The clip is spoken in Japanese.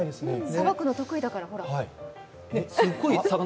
さばくの得意だから、ほら。